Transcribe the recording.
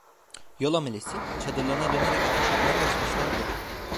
Yol amelesi, çadırlarına dönerek ateş yakmaya başlamışlardı.